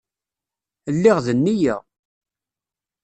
Lliɣ d nneyya.